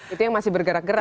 itu yang masih bergerak gerak